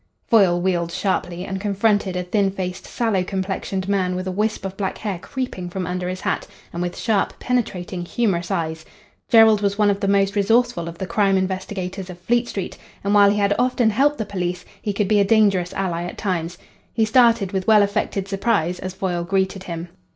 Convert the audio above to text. Foyle wheeled sharply, and confronted a thin faced, sallow complexioned man with a wisp of black hair creeping from under his hat, and with sharp, penetrating, humorous eyes. Jerrold was one of the most resourceful of the "crime investigators" of Fleet Street, and, while he had often helped the police, he could be a dangerous ally at times. He started with well affected surprise as Foyle greeted him.